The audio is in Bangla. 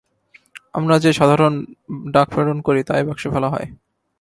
আমরা যে সাধারণ ডাক প্রেরণ করি, তা এই বাক্সে ফেলা হয়।